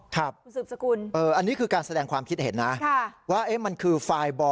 ครับอันนี้คือการแสดงความคิดเห็นนะว่าเอ๊ะมันคือไฟล์บอล